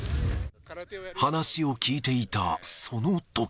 話を聞いていたそのとき。